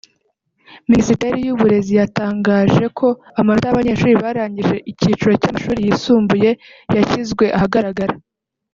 Minisiteri y’ uburezi yatangaje ko amanota y’abanyeshuri barangije icyiciro cy’amashuri yisumbuye yashyizwe ahagaragara